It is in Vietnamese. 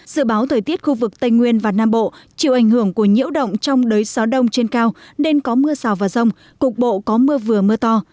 dự báo thời tiết khu vực tây nguyên và nam bộ chịu ảnh hưởng của nhiễu động trong đới gió đông trên cao nên có mưa rào và rông cục bộ có mưa vừa mưa to